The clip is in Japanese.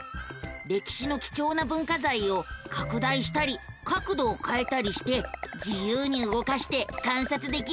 歴史の貴重な文化財を拡大したり角度をかえたりして自由に動かして観察できるのさ。